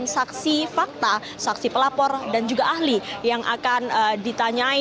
saksi fakta saksi pelapor dan juga ahli yang akan ditanyai